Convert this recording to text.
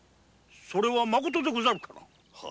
それはまことでござるか？